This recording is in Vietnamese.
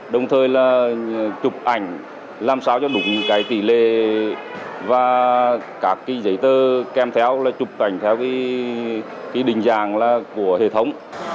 đồng thời là chụp ảnh làm sao cho đúng cái tỷ lệ và các cái giấy tờ kèm theo là chụp cảnh theo cái định dạng là của hệ thống